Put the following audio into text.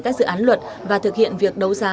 các dự án luật và thực hiện việc đấu giá